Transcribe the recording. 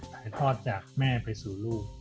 ถ่ายทอดจากแม่ไปสู่ลูก